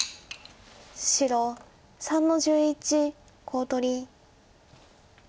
白３の十一コウ取り。